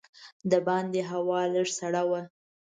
د باندې هوا لږه سړه وه.